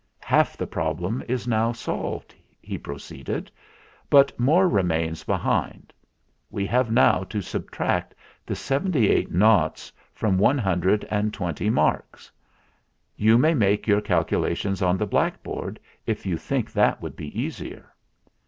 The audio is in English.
"Half the problem is now solved," he pro ceeded; "but more remains behind. We have now to subtract the seventy eight noughts from one hundred and twenty marks. You may make your calculations on the blackboard, if you think that would be easier."